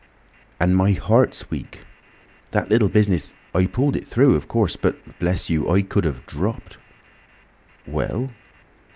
"And my heart's weak. That little business—I pulled it through, of course—but bless you! I could have dropped." "Well?"